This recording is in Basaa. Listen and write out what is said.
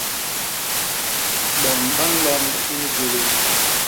Bon ba nlond i ligwélél.